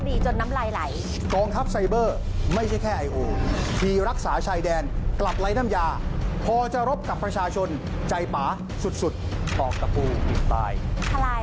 นี่มีไฮไลท์ทิ้งท้าย